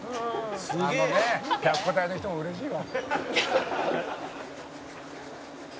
「あのね白虎隊の人も嬉しいわ」